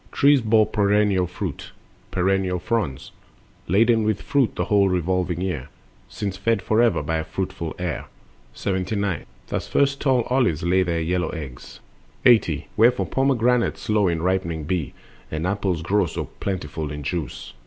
Trees bore perennial fruit, perennial fronds, Laden with fruit the whole revolving year, Since fed forever by a fruitful air. 79. Thus first tall olives lay their yellow eggs. 80. Wherefore pomegranates slow in ripening be, And apples grow so plentiful in juice.